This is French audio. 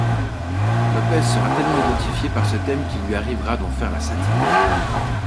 Lopez sera tellement identifié par ce thème qu'il lui arrivera d'en faire la satire.